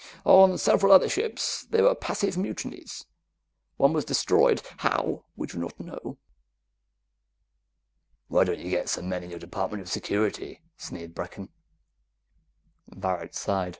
On several other ships, there were passive mutinies. One was destroyed; how, we do not know." "Why don't you get some men in your Department of Security?" sneered Brecken. Varret sighed.